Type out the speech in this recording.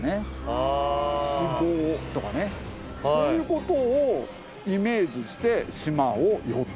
そういうことをイメージして。